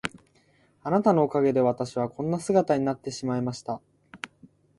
あなたのおかげで私はこんな姿になってしまいました。